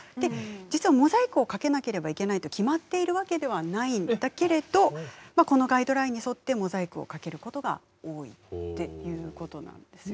実はモザイクをかけなければいけないと決まっているわけではないんだけれどまあこのガイドラインに沿ってモザイクをかけることが多いっていうことなんですよ。